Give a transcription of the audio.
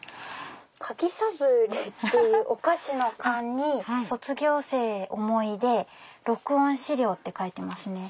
「柿サブレー」っていうお菓子の缶に「卒業生思い出録音資料」って書いてますね。